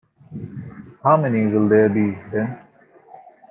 How many will there be, then?